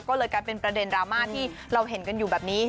ก็เลยกลายเป็นประเด็นดราม่าที่เราเห็นกันอยู่แบบนี้